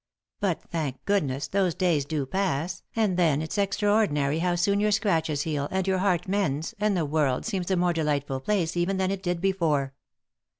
But, thank goodness, those days do pass, and then it's extraordinary how soon your scratches heal, and your heart mends, and the world seems a more delightful place even than it did before.